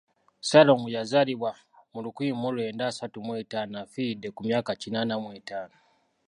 Ssaalongo yazaalibwa mu lukumi mu lwenda asatu mu ttaano afiiridde ku myaka kinaana mu etaano.